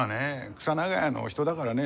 クサ長屋のお人だからね